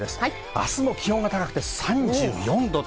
明日も気温が高くて３４度です。